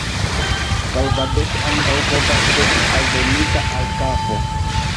Kalvadoso ankaŭ povas esti aldonita al kafo.